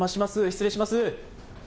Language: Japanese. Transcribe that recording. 失礼します。